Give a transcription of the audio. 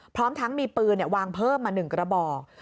พร้อมทั้งมีปืนเนี่ยวางเพิ่มมาหนึ่งกระบอก